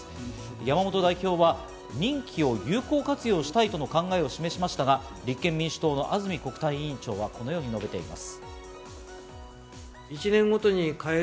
山本代表は任期を有効活用したいとの考えを示しましたが、立憲民主党の安住国対委員長はこのように述べています。